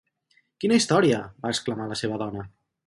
"Quina història!" va exclamar la seva dona.